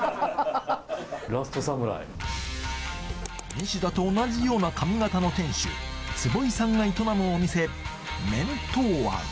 西田と同じような髪型の店主津保井さんが営むお店麺闘庵